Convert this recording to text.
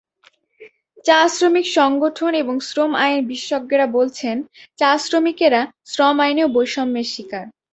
চা-শ্রমিক সংগঠন এবং শ্রম আইন বিশেষজ্ঞরা বলছেন, চা-শ্রমিকেরা শ্রম আইনেও বৈষম্যের শিকার।